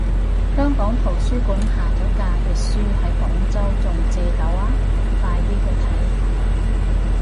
香港圖書館下咗架啲書喺廣州仲借到啊，快啲去睇